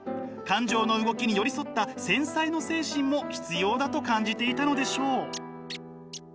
感情の動きに寄り添った繊細の精神も必要だと感じていたのでしょう。